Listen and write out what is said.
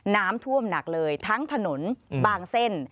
น้ำท่วมหนักเลยทั้งถนนบางเส้น